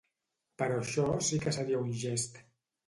Però això sí que seria un gest.